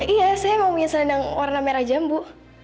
iya saya mau punya selendang warna merah jambu